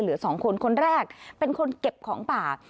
เหลือสองคนคนแรกเป็นคนเก็บของป่า